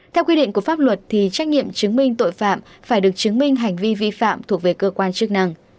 theo quy định của pháp luật thì trách nhiệm chứng minh tội phạm phải được chứng minh hành vi vi phạm thuộc về cơ quan chức năng